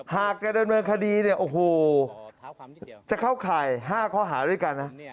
หากจะดำเนินคดีเนี่ยโอ้โหจะเข้าข่าย๕ข้อหาด้วยกันนะ